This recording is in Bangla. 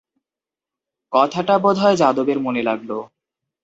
কথাটা বোধ হয় যাদবের মনে লাগে।